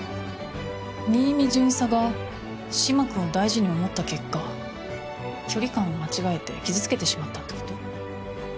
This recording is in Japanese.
新見巡査が嶋君を大事に思った結果距離感を間違えて傷つけてしまったってこと？